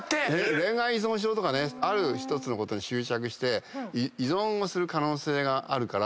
恋愛依存症とかある１つのことに執着して依存をする可能性があるから。